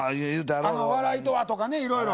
笑いとはとか、いろいろ。